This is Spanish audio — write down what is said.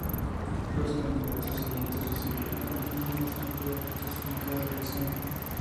Los candidatos siguientes recibieron el número más grande de votos en cada elección.